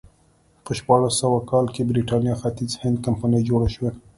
په شپاړس سوه کال کې د برېټانیا ختیځ هند کمپنۍ جوړه شوه.